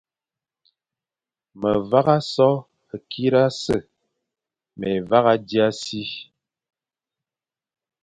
Me vagha so kirase, mé vagha dia si,